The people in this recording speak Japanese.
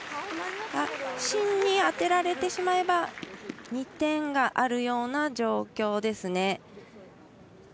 芯に当てられてしまえば２点があるような状況です。